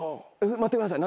待ってください。